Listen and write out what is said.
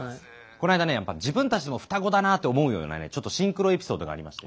こないだねやっぱ自分たちも双子だなって思うようなねちょっとシンクロエピソードがありまして。